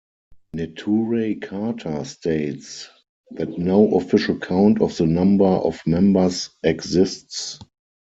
Neturei Karta states that no official count of the number of members exists.